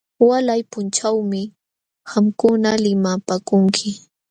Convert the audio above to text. Walay punchawmi qamkuna limapaakunki.